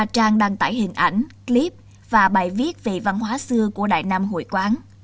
trang đăng tải hình ảnh clip và bài viết về văn hóa xưa của đại nam hội quán